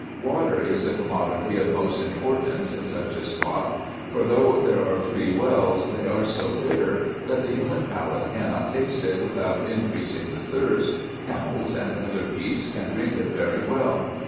Water is the commodity of most importance in such a spot, for though there are three wells, they are so bitter, that the human palate cannot taste it without increasing the thirst. Camels and other beasts can drink it very well.